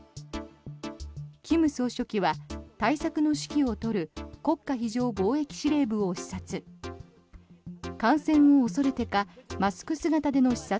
金総書記は対策の指揮を執る国家非常防疫司令部を視察。